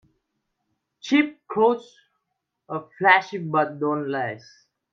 Cheap clothes are flashy but don't last.